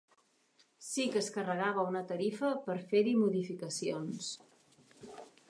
Sí que es carregava una tarifa per fer-hi modificacions.